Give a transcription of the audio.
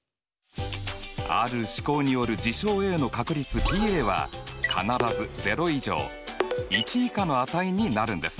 ある試行による事象Ａの確率Ｐは必ず０以上１以下の値になるんです。